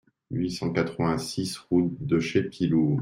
huit cent quatre-vingt-six route de Chez Pilloux